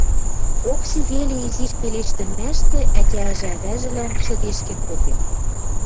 Окси веле изиш пелештӹмӓштӹ ӓтяжӹ-ӓвӓжӹлӓн шӹдешкен попен: